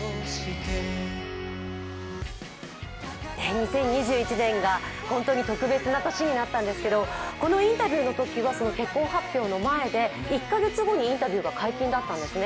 ２０２１年が本当に特別な年になったんですけどこのインタビューのときは、結婚発表の前で１カ月後にインタビューが解禁だったんですね。